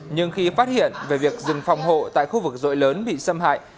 nhưng khi phát hiện về việc rừng phòng hộ tại khu vực rội lớn bị xâm hại